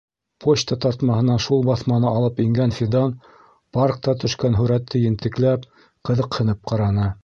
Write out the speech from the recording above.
Почта тартмаһынан шул баҫманы алып ингән Фидан, паркта төшкән һүрәтте ентекләп, ҡыҙыҡһынып ҡараны.